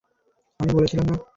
আমি বলেছিলাম না?